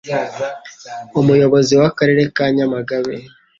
Umuyobozi w'Akarere ka Nyamagabe